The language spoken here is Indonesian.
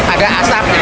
awalnya api dari mana